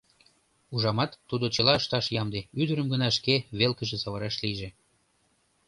Ужамат, тудо чыла ышташ ямде, ӱдырым гына шке велкыже савыраш лийже.